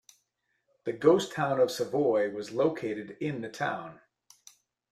The ghost town of Savoy was located in the town.